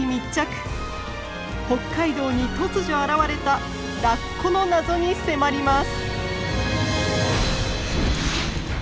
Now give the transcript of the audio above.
北海道に突如現れたラッコの謎に迫ります。